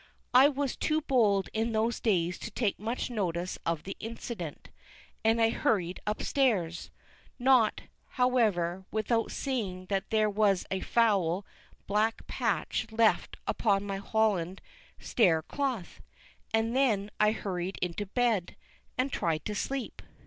I was too bold in those days to take much notice of the incident, and I hurried upstairs not, however, without seeing that there was a foul, black patch left upon my holland stair cloth; and then I hurried into bed, and tried to sleep.